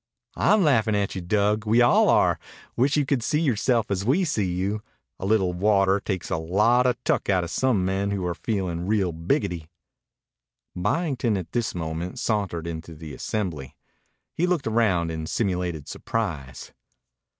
"I'm laughin' at you, Dug. We all are. Wish you could see yoreself as we see you. A little water takes a lot o' tuck outa some men who are feelin' real biggity." Byington, at this moment, sauntered into the assembly. He looked around in simulated surprise.